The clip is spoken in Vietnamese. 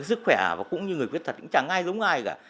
sức khỏe cũng như người quyết thật cũng chẳng ai giống ai cả